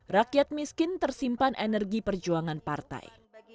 rakyat miskin tersimpan energi perjuangan partai